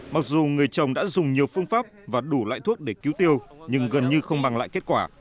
mặc dù người chồng đã dùng nhiều phương pháp và đủ loại thuốc để cứu tiêu nhưng gần như không bằng lại kết quả